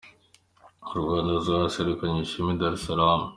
U Rwanda rwaserukanye ishema i Dar Es Slaam.